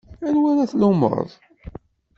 Anwa ara tlummeḍ?